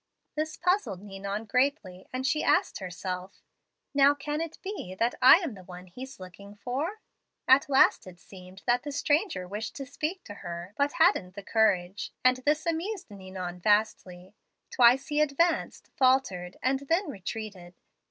This puzzled Ninon greatly, and she asked herself, 'Now can it be that I am the one he's looking for?' At last it seemed that the stranger wished to speak to her, but hadn't the courage, and this amused Ninon vastly. Twice he advanced, faltered, and then retreated.